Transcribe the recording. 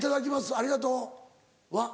「ありがとう」は？